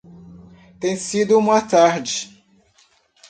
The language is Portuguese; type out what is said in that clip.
Tem sido uma tarde.